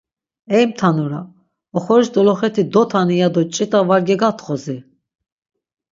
Ey mtanura, oxoriş doloxeti dotani yado ç̌it̆a va gegatxozi!